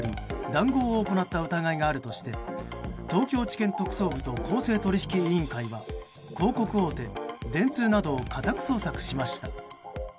談合を行った疑いがあるとして東京地検特捜部と公正取引委員会は広告大手電通などを家宅捜索しました。